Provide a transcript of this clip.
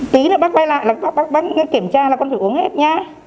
tí nữa bác bay lại là bác kiểm tra là con phải uống hết nhé